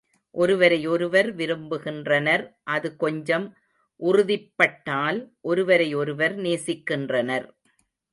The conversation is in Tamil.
ஒருவரை ஒருவர் விரும்புகின்றனர் அது கொஞ்சம் உறுதிப்பட்டால் ஒருவரை ஒருவர் நேசிக்கின்றனர்.